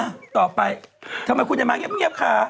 ต่อไปทำไมคุณจะมาเงียบคะ